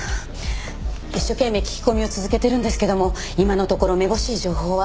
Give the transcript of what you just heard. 一生懸命聞き込みを続けてるんですけども今のところめぼしい情報は。